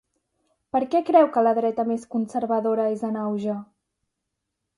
Per què creu que la dreta més conservadora és en auge?